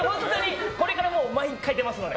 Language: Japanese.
これからもう毎回出ますので！